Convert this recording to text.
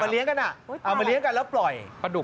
เอามาเลี้ยงกันแล้วปล่อย